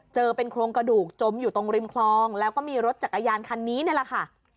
เจอเป็นโครงกระดูกจมอยู่ตรงริมคลองแล้วก็มีรถจักรยานคันนี้นี่แหละค่ะ